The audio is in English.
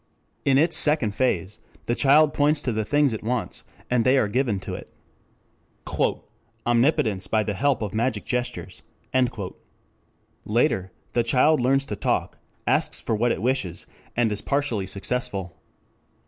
In its second phase the child points to the things it wants, and they are given to it. "Omnipotence by the help of magic gestures." Later, the child learns to talk, asks for what it wishes, and is partially successful.